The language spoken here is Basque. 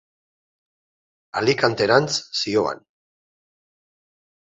Alicanterantz zihoan.